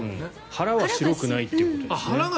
腹は白くないということですね。